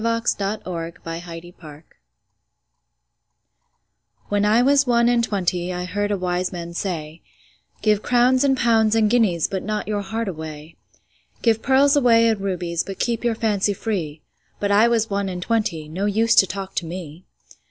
When I was one and twenty WHEN I was one and twentyI heard a wise man say,'Give crowns and pounds and guineasBut not your heart away; Give pearls away and rubiesBut keep your fancy free.'But I was one and twenty, No use to talk to me.